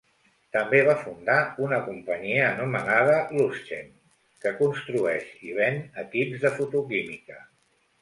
També va fundar una companyia anomenada Luzchem, que construeix i ven equips de fotoquímica.